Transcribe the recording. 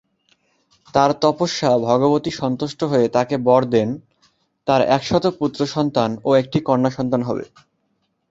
তার তপস্যা ভগবতী সন্তুষ্ট হয়ে তাকে বর দেন- তার একশত পুত্র সন্তান ও একটি কন্যা সন্তান হবে।